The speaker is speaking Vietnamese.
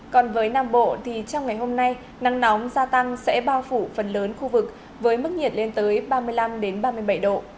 còn với nam bộ thì trong ngày hôm nay nắng nóng gia tăng sẽ bao phủ phần lớn khu vực với mức nhiệt lên tới ba mươi năm ba mươi bảy độ